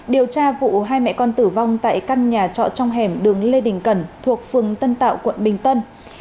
điều tra vụ hai mẹ con tử vong tại căn nhà trọ trong hẻm đường lê đình cẩn thuộc phường tân tạo quận bình tân